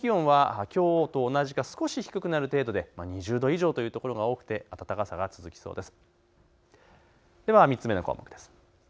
日中の最高気温はきょうと同じか少し低くなる程度で２０度以上という所が多くて暖かさが続きそうです。